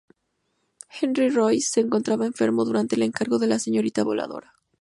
Henry Royce se encontraba enfermo durante el encargo de la señorita voladora.